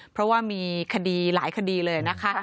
เพราะว่ามีคดีหลายคดีเลยนะคะ